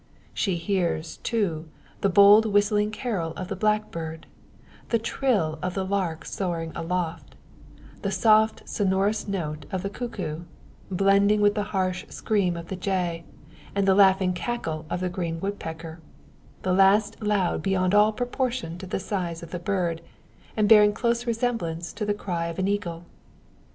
She hears, too, the bold whistling carol of the blackbird, the trill of the lark soaring aloft, the soft sonorous note of the cuckoo, blending with the harsh scream of the jay, and the laughing cackle of the green woodpecker the last loud beyond all proportion to the size of the bird, and bearing close resemblance to the cry of an eagle.